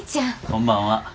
こんばんは。